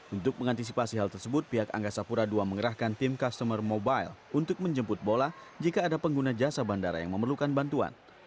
untuk mengantisipasi hal tersebut pihak angga sapura ii mengerahkan tim customer mobile untuk menjemput bola jika ada pengguna jasa bandara yang memerlukan bantuan